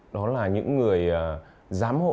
đó là những người giám hộ